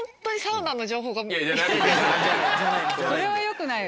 それはよくないわ。